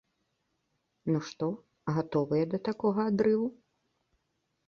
Ну што, гатовыя да такога адрыву?